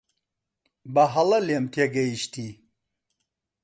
بەهەڵە لێم تێگەیشتی.